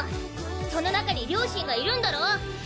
その中に両親がいるんだろう？